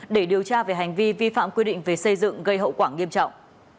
để điều tra về hành vi vi phạm quy định về xây dựng gây hậu quả nghiêm trọng